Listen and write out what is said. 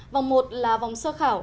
vòng một là vòng sơ khảo